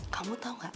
kamu tau gak